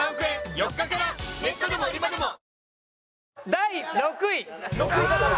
第６位。